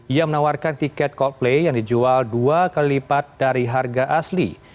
ia menawarkan tiket coldplay yang dijual dua kali lipat dari harga asli